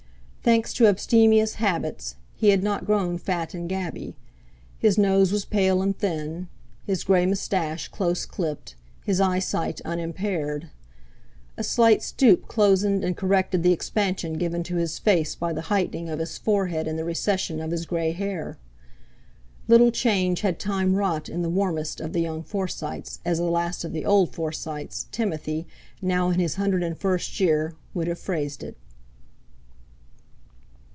Thanks to abstemious habits, he had not grown fat and gabby; his nose was pale and thin, his grey moustache close clipped, his eyesight unimpaired. A slight stoop closened and corrected the expansion given to his face by the heightening of his forehead in the recession of his grey hair. Little change had Time wrought in the "warmest" of the young Forsytes, as the last of the old Forsytes—Timothy now in his hundred and first year, would have phrased it.